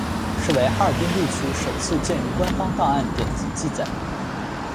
是为哈尔滨地区首次见于官方档案典籍记载。